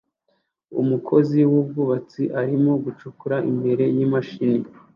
Umukozi wubwubatsi arimo gucukura imbere yimashini